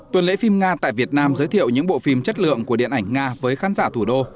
tuần lễ phim nga tại việt nam giới thiệu những bộ phim chất lượng của điện ảnh nga với khán giả thủ đô